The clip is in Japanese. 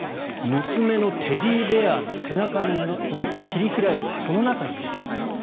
娘のテディベアの背中を切り開いてその中に入れた。